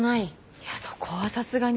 いやそこはさすがに。